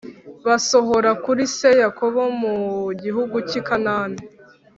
Basohora kuri se Yakobo mu gihugu cy i Kanani